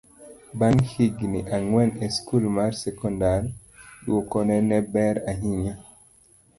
bang' higni ang'wen e skul mar sekondar, dwokone ne ber ahinya